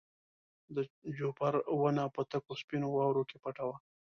د جوپر ونه په تکو سپینو واورو کې پټه وه.